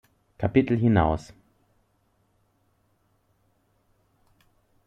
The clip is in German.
Kapitel hinaus.